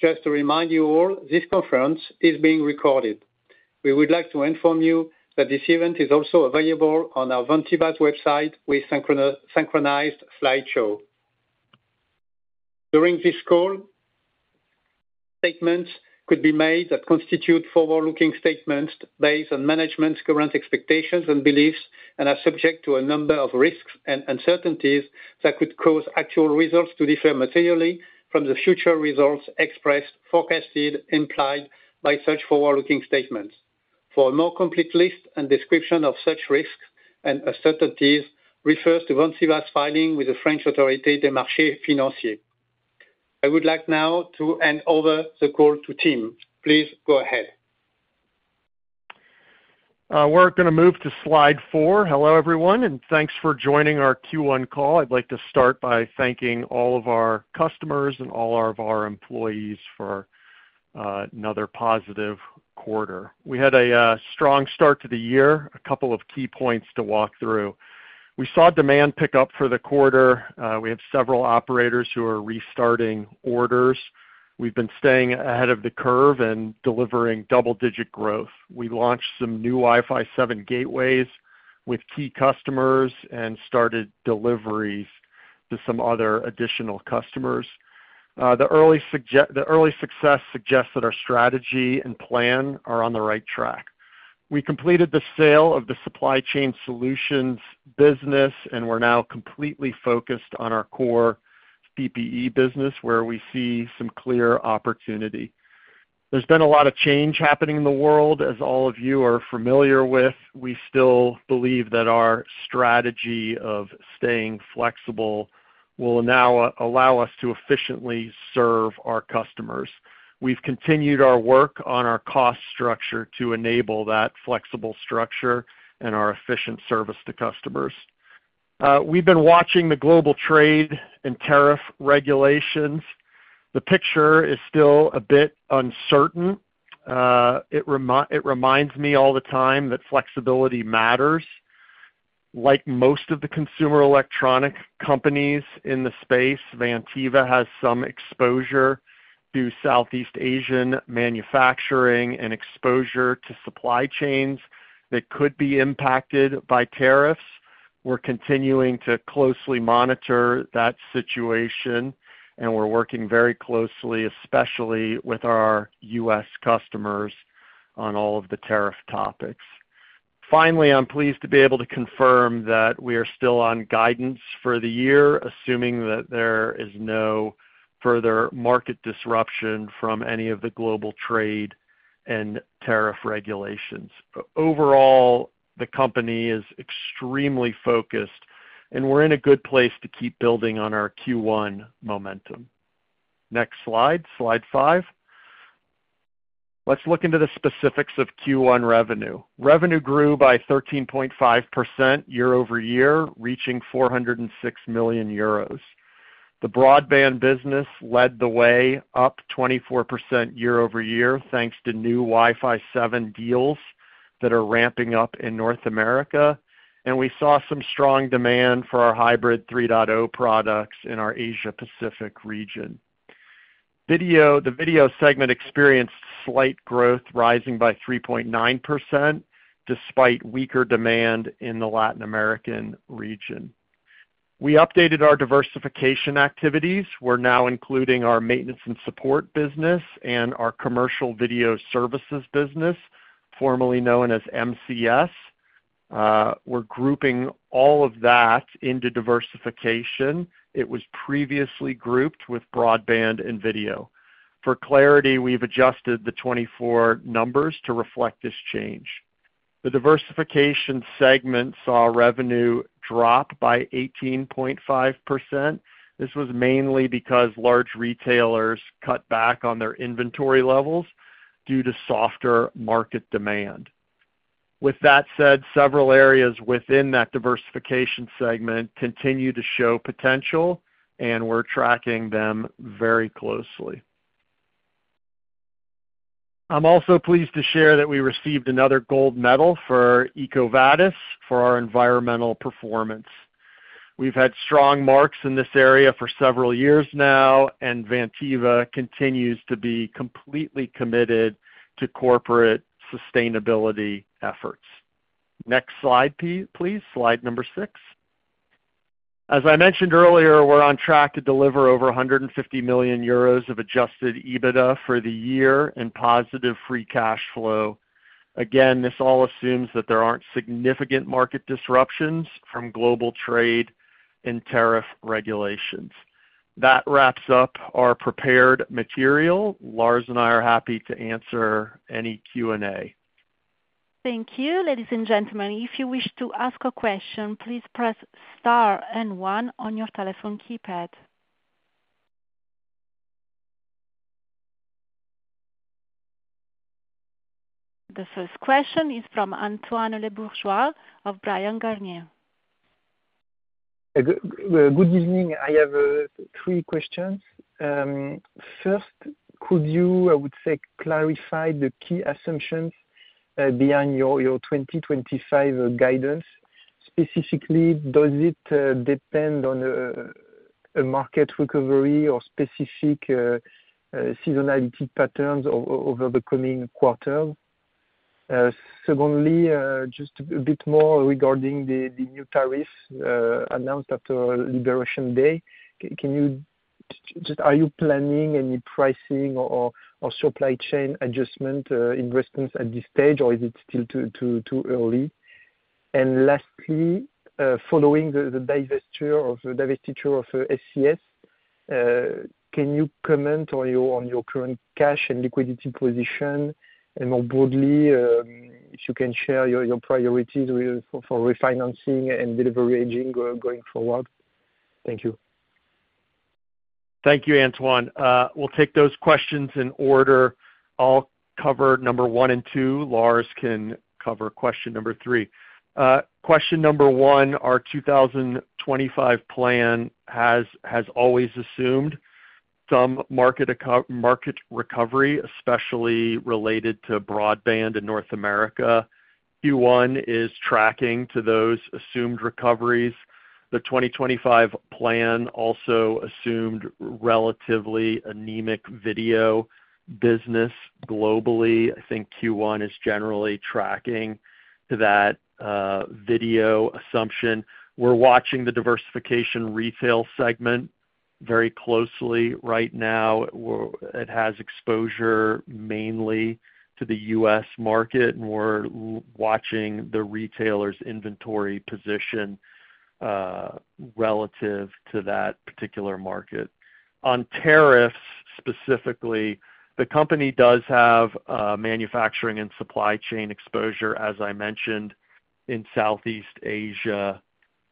Just to remind you all, this conference is being recorded. We would like to inform you that this event is also available on our Vantiva's website with a synchronized slideshow. During this call, statements could be made that constitute forward-looking statements based on management's current expectations and beliefs, and are subject to a number of risks and uncertainties that could cause actual results to differ materially from the future results expressed, forecasted, and implied by such forward-looking statements. For a more complete list and description of such risks and uncertainties, refer to Vantiva's filing with the French authority, des Marchés Financiers. I would like now to hand over the call to Tim. Please go ahead. We're going to move to slide four. Hello, everyone, and thanks for joining our Q1 call. I'd like to start by thanking all of our customers and all of our employees for another positive quarter. We had a strong start to the year, a couple of key points to walk through. We saw demand pick up for the quarter. We have several operators who are restarting orders. We've been staying ahead of the curve and delivering double-digit growth. We launched some new Wi-Fi 7 gateways with key customers and started deliveries to some other additional customers. The early success suggests that our strategy and plan are on the right track. We completed the sale of the supply chain solutions business, and we're now completely focused on our core PPE business, where we see some clear opportunity. There's been a lot of change happening in the world, as all of you are familiar with. We still believe that our strategy of staying flexible will now allow us to efficiently serve our customers. We've continued our work on our cost structure to enable that flexible structure and our efficient service to customers. We've been watching the global trade and tariff regulations. The picture is still a bit uncertain. It reminds me all the time that flexibility matters. Like most of the consumer electronic companies in the space, Vantiva has some exposure to Southeast Asian manufacturing and exposure to supply chains that could be impacted by tariffs. We're continuing to closely monitor that situation, and we're working very closely, especially with our U.S. customers, on all of the tariff topics. Finally, I'm pleased to be able to confirm that we are still on guidance for the year, assuming that there is no further market disruption from any of the global trade and tariff regulations. Overall, the company is extremely focused, and we're in a good place to keep building on our Q1 momentum. Next slide, slide five. Let's look into the specifics of Q1 revenue. Revenue grew by 13.5% year- over-year, reaching 406 million euros. The broadband business led the way, up 24% year-over-year, thanks to new Wi-Fi 7 deals that are ramping up in North America. We saw some strong demand for our hybrid 3.0 products in our Asia-Pacific region. The video segment experienced slight growth, rising by 3.9% despite weaker demand in the Latin America region. We updated our diversification activities. We're now including our maintenance and support business and our commercial video services business, formerly known as MCS. We're grouping all of that into diversification. It was previously grouped with broadband and video. For clarity, we've adjusted the 2024 numbers to reflect this change. The diversification segment saw revenue drop by 18.5%. This was mainly because large retailers cut back on their inventory levels due to softer market demand. With that said, several areas within that diversification segment continue to show potential, and we're tracking them very closely. I'm also pleased to share that we received another gold medal for EcoVadis for our environmental performance. We've had strong marks in this area for several years now, and Vantiva continues to be completely committed to corporate sustainability efforts. Next slide, please, slide number six. As I mentioned earlier, we're on track to deliver over 150 million euros of adjusted EBITDA for the year and positive free cash flow. Again, this all assumes that there aren't significant market disruptions from global trade and tariff regulations. That wraps up our prepared material. Lars and I are happy to answer any Q&A. Thank you, ladies and gentlemen. If you wish to ask a question, please press star and one on your telephone keypad. The first question is from Antoine Lebourgeois of Bryan Garnier. Good evening. I have three questions. First, could you, I would say, clarify the key assumptions behind your 2025 guidance? Specifically, does it depend on a market recovery or specific seasonality patterns over the coming quarters? Secondly, just a bit more regarding the new tariffs announced after Liberation Day. Are you planning any pricing or supply chain adjustment investments at this stage, or is it still too early? Lastly, following the divestiture of SCS, can you comment on your current cash and liquidity position? More broadly, if you can share your priorities for refinancing and delivery aging going forward. Thank you. Thank you, Antoine. We'll take those questions in order. I'll cover number one and two. Lars can cover question number three. Question number one, our 2025 plan has always assumed some market recovery, especially related to broadband in North America. Q1 is tracking to those assumed recoveries. The 2025 plan also assumed relatively anemic video business globally. I think Q1 is generally tracking to that video assumption. We're watching the diversification retail segment very closely right now. It has exposure mainly to the U.S. market, and we're watching the retailer's inventory position relative to that particular market. On tariffs specifically, the company does have manufacturing and supply chain exposure, as I mentioned, in Southeast Asia.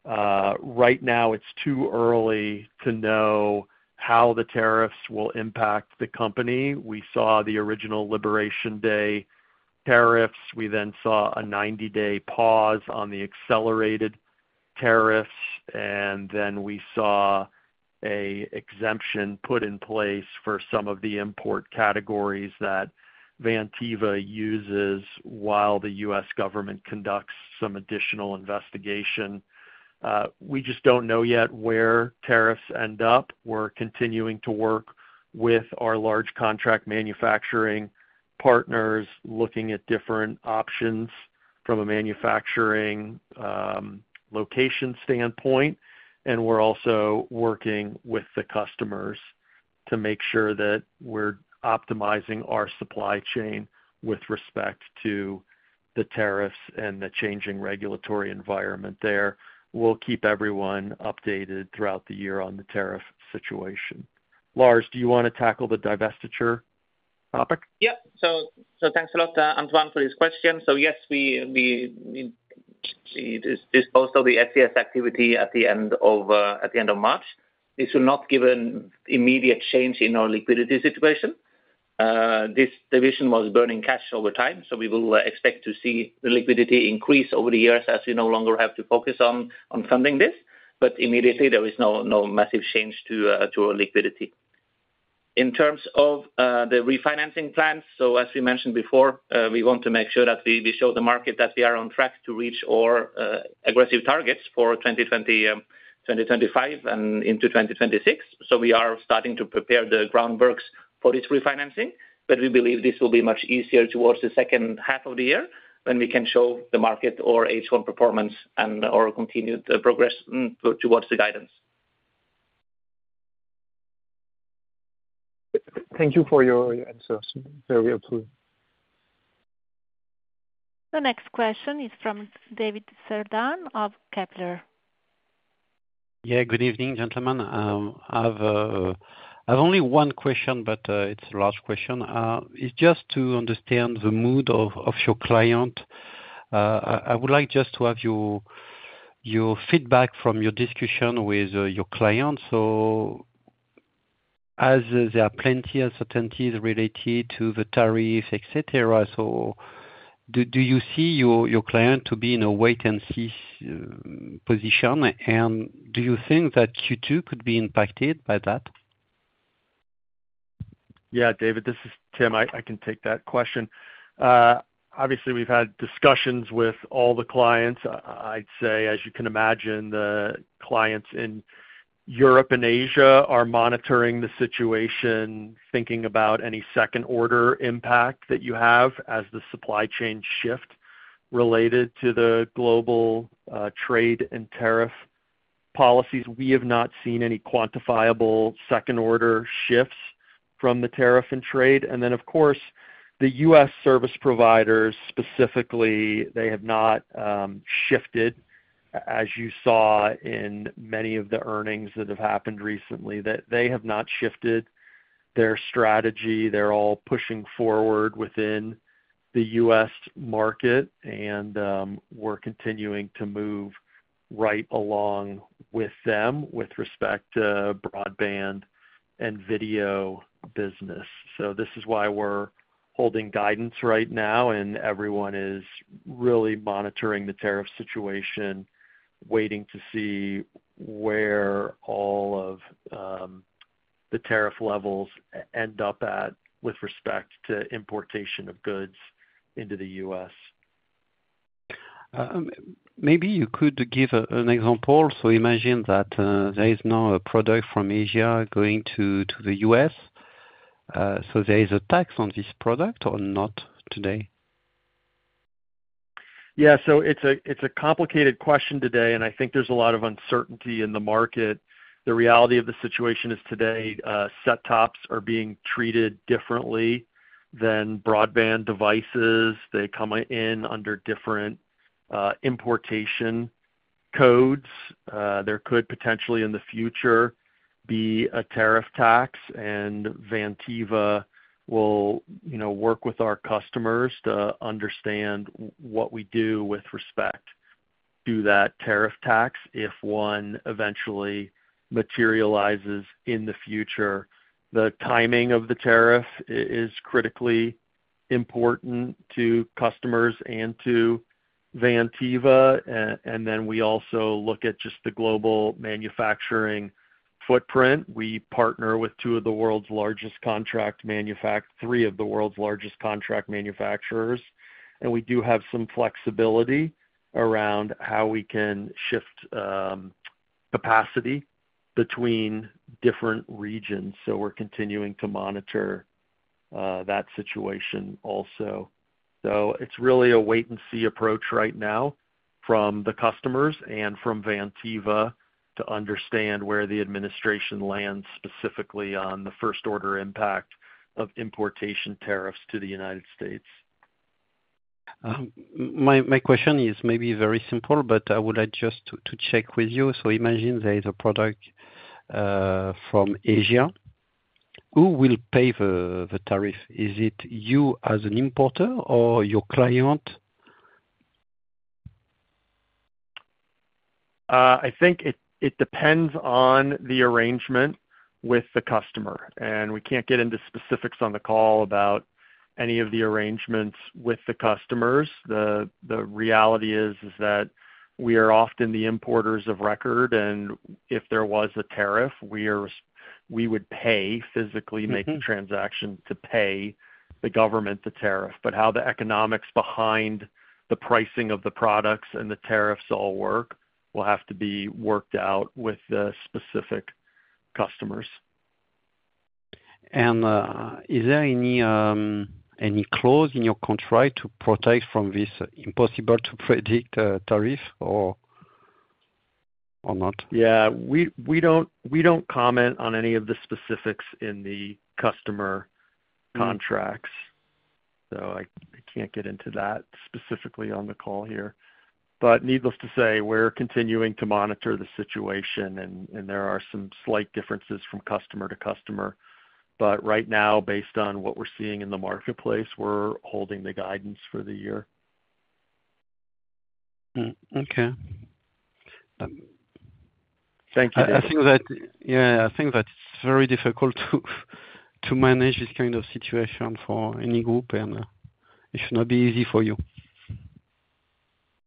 Right now, it's too early to know how the tariffs will impact the company. We saw the original Liberation Day tariffs. We then saw a 90-day pause on the accelerated tariffs, and then we saw an exemption put in place for some of the import categories that Vantiva uses while the U.S. government conducts some additional investigation. We just do not know yet where tariffs end up. We are continuing to work with our large contract manufacturing partners, looking at different options from a manufacturing location standpoint. We are also working with the customers to make sure that we are optimizing our supply chain with respect to the tariffs and the changing regulatory environment there. We will keep everyone updated throughout the year on the tariff situation. Lars, do you want to tackle the divestiture topic? Yep. Thanks a lot, Antoine, for this question. Yes, this is most of the SCS activity at the end of March. This will not give an immediate change in our liquidity situation. This division was burning cash over time, so we will expect to see the liquidity increase over the years as we no longer have to focus on funding this. Immediately, there is no massive change to our liquidity. In terms of the refinancing plans, as we mentioned before, we want to make sure that we show the market that we are on track to reach our aggressive targets for 2025 and into 2026. We are starting to prepare the groundworks for this refinancing, but we believe this will be much easier towards the second half of the year when we can show the market our H1 performance and our continued progress towards the guidance. Thank you for your answers. Very helpful. The next question is from David Cerdan of Kepler. Yeah, good evening, gentlemen. I have only one question, but it's a large question. It's just to understand the mood of your client. I would like just to have your feedback from your discussion with your client. As there are plenty of uncertainties related to the tariffs, etc., do you see your client to be in a wait-and-see position? Do you think that you two could be impacted by that? Yeah, David, this is Tim. I can take that question. Obviously, we've had discussions with all the clients. I'd say, as you can imagine, the clients in Europe and Asia are monitoring the situation, thinking about any second-order impact that you have as the supply chains shift related to the global trade and tariff policies. We have not seen any quantifiable second-order shifts from the tariff and trade. Of course, the U.S. service providers specifically, they have not shifted, as you saw in many of the earnings that have happened recently. They have not shifted their strategy. They're all pushing forward within the U.S. market, and we're continuing to move right along with them with respect to broadband and video business. This is why we're holding guidance right now, and everyone is really monitoring the tariff situation, waiting to see where all of the tariff levels end up at with respect to importation of goods into the U.S. Maybe you could give an example. Imagine that there is now a product from Asia going to the U.S. There is a tax on this product or not today? Yeah, so it's a complicated question today, and I think there's a lot of uncertainty in the market. The reality of the situation is today, set-tops are being treated differently than broadband devices. They come in under different importation codes. There could potentially, in the future, be a tariff tax, and Vantiva will work with our customers to understand what we do with respect to that tariff tax if one eventually materializes in the future. The timing of the tariff is critically important to customers and to Vantiva. We also look at just the global manufacturing footprint. We partner with two of the world's largest contract manufacturers, three of the world's largest contract manufacturers. We do have some flexibility around how we can shift capacity between different regions. We're continuing to monitor that situation also. It's really a wait-and-see approach right now from the customers and from Vantiva to understand where the administration lands specifically on the first-order impact of importation tariffs to the United States. My question is maybe very simple, but I would like just to check with you. Imagine there is a product from Asia. Who will pay the tariff? Is it you as an importer or your client? I think it depends on the arrangement with the customer. We can't get into specifics on the call about any of the arrangements with the customers. The reality is that we are often the importers of record, and if there was a tariff, we would physically make the transaction to pay the government the tariff. How the economics behind the pricing of the products and the tariffs all work will have to be worked out with the specific customers. Is there any clause in your contract to protect from this impossible-to-predict tariff or not? Yeah, we do not comment on any of the specifics in the customer contracts. I cannot get into that specifically on the call here. Needless to say, we are continuing to monitor the situation, and there are some slight differences from customer to customer. Right now, based on what we are seeing in the marketplace, we are holding the guidance for the year. Okay. Thank you. I think that it's very difficult to manage this kind of situation for any group, and it should not be easy for you.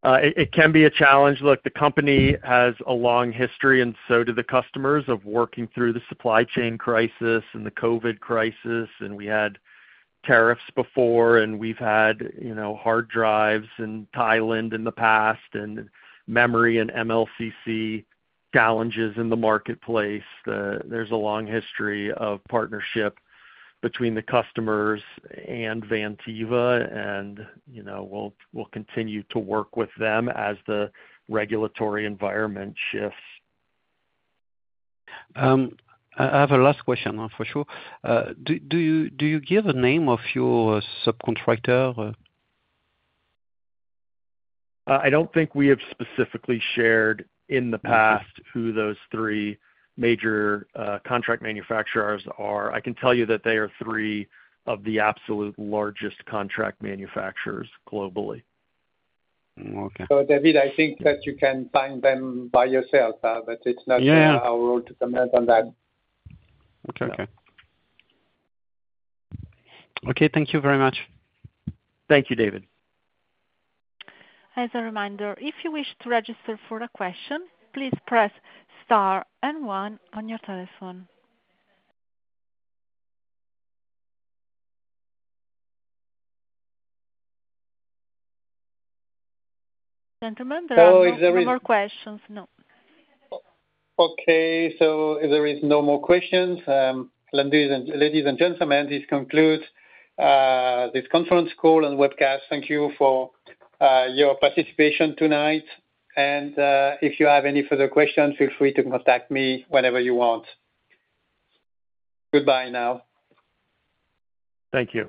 It can be a challenge. Look, the company has a long history, and so do the customers, of working through the supply chain crisis and the COVID crisis. We had tariffs before, and we've had hard drives in Thailand in the past and memory and MLCC challenges in the marketplace. There's a long history of partnership between the customers and Vantiva, and we'll continue to work with them as the regulatory environment shifts. I have a last question, for sure. Do you give a name of your subcontractor? I don't think we have specifically shared in the past who those three major contract manufacturers are. I can tell you that they are three of the absolute largest contract manufacturers globally. Okay. David, I think that you can find them by yourself, but it's not our role to comment on that. Okay. Thank you very much. Thank you, David. As a reminder, if you wish to register for a question, please press star and one on your telephone. Gentlemen, there are no more questions. If there are no more questions, ladies and gentlemen, this concludes this conference call and webcast. Thank you for your participation tonight. If you have any further questions, feel free to contact me whenever you want. Goodbye now. Thank you.